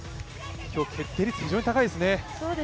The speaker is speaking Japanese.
今日、決定率が非常に高いですね。